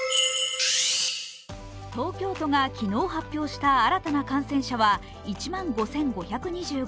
東京都が昨日発表した新たな感染者は１万５５２５人。